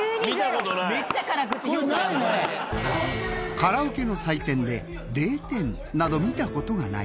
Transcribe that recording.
カラオケの採点で０点など見たことがない。